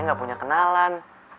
tidak punya kenalan